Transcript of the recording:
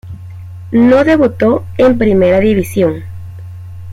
No debutó en Primera División.